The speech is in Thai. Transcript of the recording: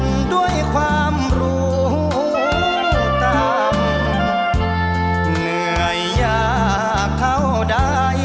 ช่วยฝังดินหรือกว่า